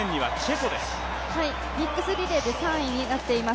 ミックスリレーでは３位になっています。